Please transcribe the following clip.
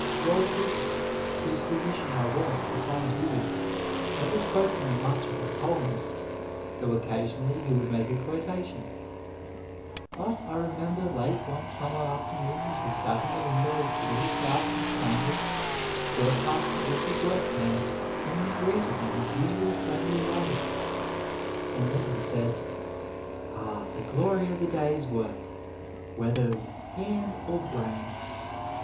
Walt Whitman, whose physician I was for some years, never spoke to me much of his poems, though occasionally he would make a quotation ; but I remember late one summer 53 A WAY afternoon as we sat in the window of his little house in Camden there passed a group of workmen whom he greeted in his usual friendly way. And then he said :" Ah, the glory of the day s work, whether with hand or brain